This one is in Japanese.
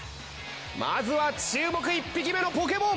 まずは注目１匹目のポケモン。